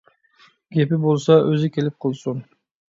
گېپى بولسا ئۆزى كېلىپ قىلسۇن!